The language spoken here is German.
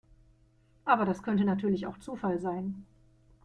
Aber das könnte natürlich auch Zufall sein.